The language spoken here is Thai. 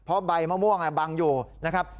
เพราะใบมะม่วงบังอยู่นะครับ